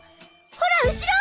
ほら後ろ！